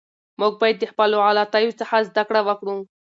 موږ باید د خپلو غلطیو څخه زده کړه وکړو.